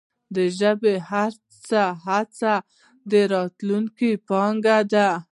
د ژبي هره هڅه د راتلونکې پانګه ده.